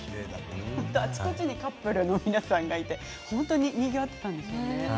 あちこちにカップルの皆さんがいて本当ににぎわっていたんですね。